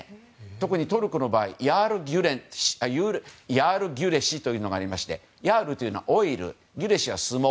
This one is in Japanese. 特にトルコの場合ヤールギュレシというのがありましてヤールはオイルギュレシは相撲。